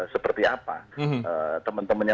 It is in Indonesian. seperti apa teman temannya